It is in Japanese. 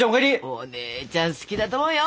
お姉ちゃん好きだと思うよ。